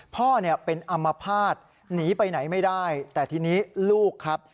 พ่อเนี่ยเป็นอัมพาตหนีไปไหนไม่ได้แต่ทีนี้ลูกครับ